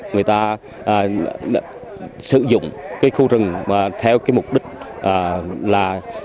người ta sử dụng khu rừng theo mục đích bảo vệ